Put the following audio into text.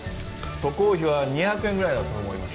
渡航費は２００円ぐらいだと思います